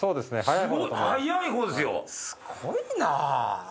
すごいなあ。